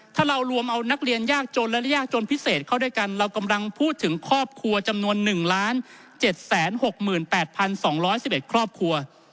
ถ้าเรารวมเอานักเรียนยากจนและยากจนพิเศษเข้าด้วยกันเรากำลังพูดถึงครอบครัวจำนวน๑๗๖๘๒๑๑ครอบครัว